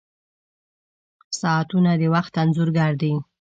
• ساعتونه د وخت انځور ګر دي.